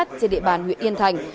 trên địa bàn huyện yên thành